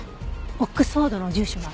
オックスフォードの住所は？